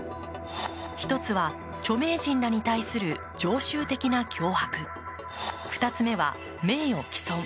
１つは著名人らに対する常習的な脅迫、２つ目は名誉棄損。